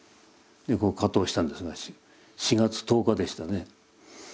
掛搭したんですが４月１０日でしたね。